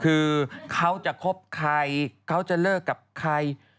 คือเขาจะคบใครเขาจะเลิกกับใคร